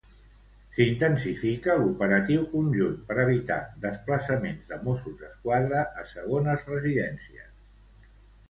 S'intensifica l'operatiu conjunt per evitar desplaçaments de Mossos d'Esquadra a segones residències.